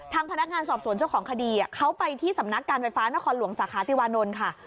พนักงานสอบสวนเจ้าของคดีเขาไปที่สำนักการไฟฟ้านครหลวงสาขาติวานนท์ค่ะ